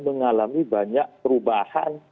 mengalami banyak perubahan